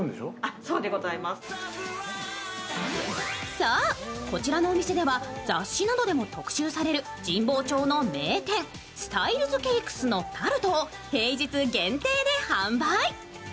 そう、こちらのお店では雑誌などでも特集される神保町の名店、Ｓｔｙｌｅ’ｓＣａｋｅｓのタルトを平日限定で販売。